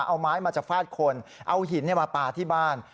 เอาไม้มาจะฟาดคนเอาหินมาปลาที่บ้าน